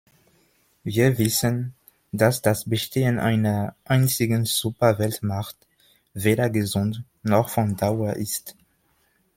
Wir wissen, dass das Bestehen einer einzigen Superweltmacht weder gesund noch von Dauer ist.